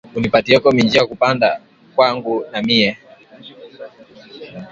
Uni patieko minji yaku panda kwangu na miye